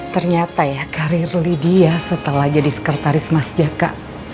ternyata ya karir lydia setelah jadi sekretaris mas jaka